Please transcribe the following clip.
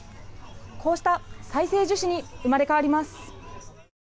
こうした再生樹脂に生まれ変わります。